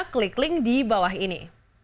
klik link di bawah ini